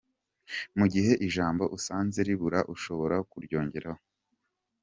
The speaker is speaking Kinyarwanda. Mu gihe ijambo usanze ribura ushobora kuryongeraho.